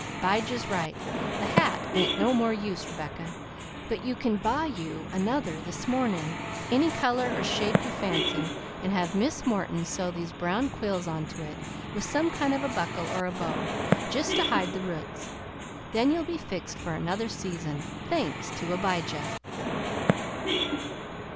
'Bijah's right; the hat ain't no more use, Rebecca, but you can buy you another this mornin' any color or shape you fancy an' have Miss Morton sew these brown quills on to it with some kind of a buckle or a bow, jest to hide the roots. Then you'll be fixed for another season, thanks to 'Bijah."